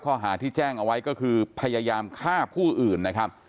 ข้อหาที่แจ้งเอาไว้ก็คือพยายามฆ่าผู้อื่นนะครับ